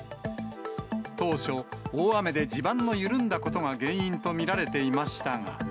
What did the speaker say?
当初、大雨で地盤の緩んだことが原因と見られていましたが。